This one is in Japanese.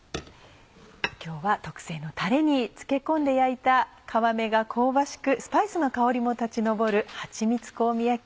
今日は特製のたれにつけ込んで焼いた皮目が香ばしくスパイスの香りも立ち上るはちみつ香味焼き。